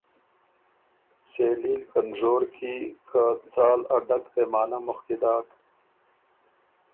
سېلي ل نژور کی که څال ا ډک پېمانۀ مُخکی داک،